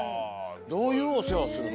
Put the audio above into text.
どういうおせわをするの？